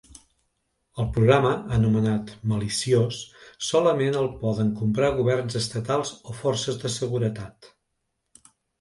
El programa, anomenat ‘maliciós’, solament el poden comprar governs estatals o forces de seguretat.